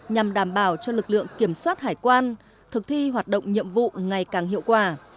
nhằm đảm bảo cho lực lượng kiểm soát hải quan thực thi hoạt động nhiệm vụ ngày càng hiệu quả